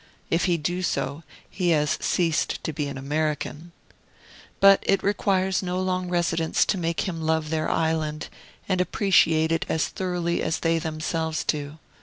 If he do so, he has ceased to be an American. But it requires no long residence to make him love their island, and appreciate it as thoroughly as they themselves do.